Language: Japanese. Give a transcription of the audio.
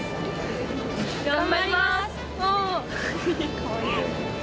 かわいい。